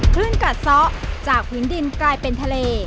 กัดซ้อจากพื้นดินกลายเป็นทะเล